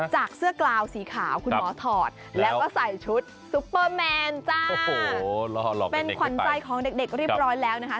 จากเสื้อกลาวสีขาวคุณหมอถอดแล้วก็ใส่ชุดซุปเปอร์แมนจ้าโอ้โหเป็นขวัญใจของเด็กเรียบร้อยแล้วนะคะ